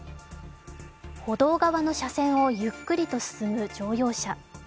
歩道側の車線をゆっくりと進む乗用車。